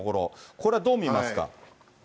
これはどう見ますか？